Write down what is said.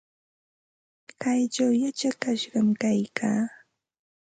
Kaychaw yachakashqam kaykaa.